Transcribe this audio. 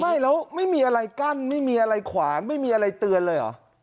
ไม่แล้วไม่มีอะไรกั้นไม่มีอะไรขวางไม่มีอะไรเตือนเลยเหรอ